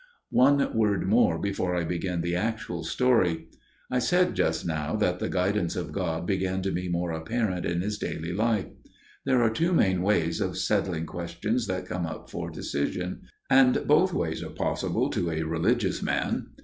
"One word more before I begin the actual story. "I said just now that the guidance of God began to be more apparent in his daily life. There are two main ways of settling questions that come up for decision, and both ways are possible to a religious man.